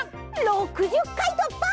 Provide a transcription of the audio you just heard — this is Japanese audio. ６０かいとっぱ。